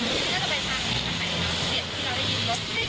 น่าจะไปทางนี้นะฮะที่เราได้ยินรถ